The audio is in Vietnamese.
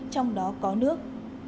trong đó có nước